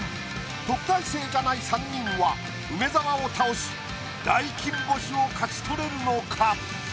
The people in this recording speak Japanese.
特待生じゃない３人は梅沢を倒し大金星を勝ち取れるのか？